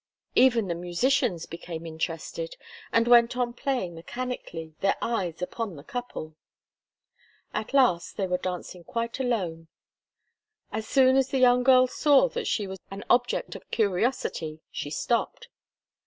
Even the musicians became interested, and went on playing mechanically, their eyes upon the couple. At last they were dancing quite alone. As soon as the young girl saw that she was an object of curiosity, she stopped.